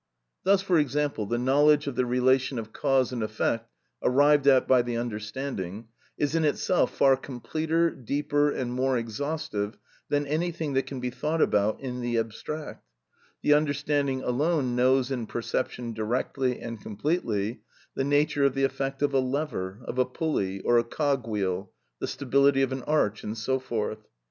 Thus, for example, the knowledge of the relation of cause and effect arrived at by the understanding, is in itself far completer, deeper and more exhaustive than anything that can be thought about it in the abstract; the understanding alone knows in perception directly and completely the nature of the effect of a lever, of a pulley, or a cog wheel, the stability of an arch, and so forth.